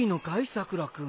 さくら君。